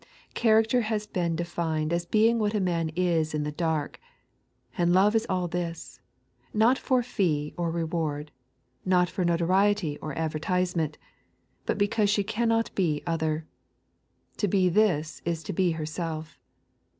Character has been defined as being what a man is in the dark : and Love is an this, not for fee or reward, not for notoriety or advertisement, but because she cannot be other. To be this is to be bereelf